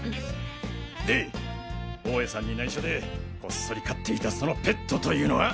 で大家さんに内緒でこっそり飼っていたそのペットというのは？